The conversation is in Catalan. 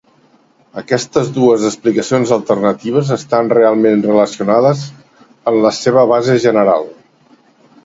Aquestes dues explicacions alternatives estan realment relacionades en la seva base general.